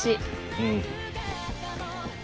うん。